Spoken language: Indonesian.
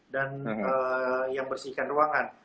dan yang bersihkan ruangan